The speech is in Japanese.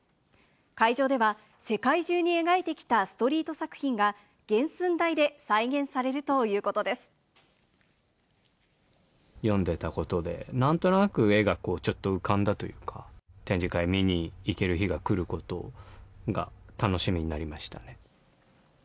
会場では、世界中に描いてきたストリート作品が、原寸大で再現されるという読んでたことで、なんとなく絵が、こうちょっと浮かんだというか、展示会見に行ける日が来ることが、楽しみになりましたね。